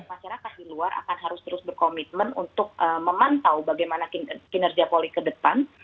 masyarakat di luar akan harus terus berkomitmen untuk memantau bagaimana kinerja polri ke depan